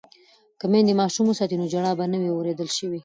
که میندې ماشوم وساتي نو ژړا به نه وي اوریدل شوې.